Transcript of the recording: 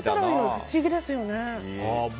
不思議ですよね。